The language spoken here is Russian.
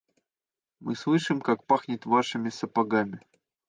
Мы слышим, как пахнет вашими сапогами.